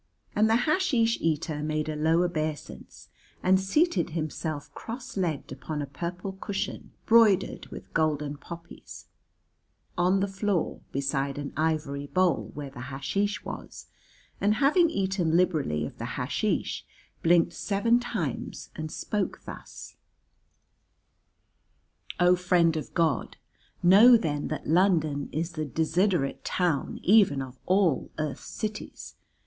And the hasheesh eater made a low obeisance and seated himself cross legged upon a purple cushion broidered with golden poppies, on the floor, beside an ivory bowl where the hasheesh was, and having eaten liberally of the hasheesh blinked seven times and spoke thus: "O Friend of God, know then that London is the desiderate town even of all Earth's cities.